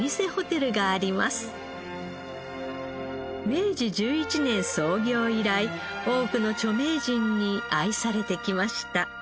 明治１１年創業以来多くの著名人に愛されてきました。